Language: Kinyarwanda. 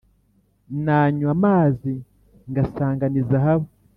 nanywa amazi ngasanga ni zahabu